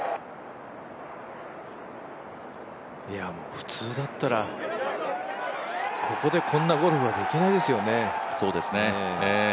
普通だったら、ここでこんなゴルフはできないですよね。